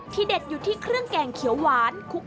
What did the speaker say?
เด็ดอยู่ที่เครื่องแกงเขียวหวาน